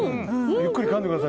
ゆっくり噛んでください。